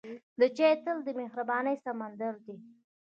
د چای تل د مهربانۍ سمندر دی.